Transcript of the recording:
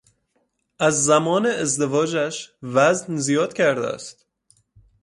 از زمان ازدواجش وزن زیاد کرده است.